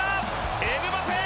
エムバペ。